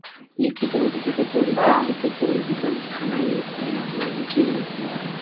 লিখিত অভিযোগের পরিপ্রেক্ষিতে ফরিদগঞ্জ থানার এসআই আলমগীর হোসেন ঘটনাস্থল পরিদর্শন করেন।